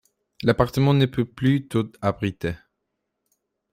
L'appartement ne peut plus tout abriter.